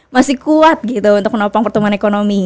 masih kuat gitu untuk menopang pertumbuhan ekonomi